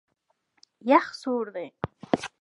یخ سوړ دی.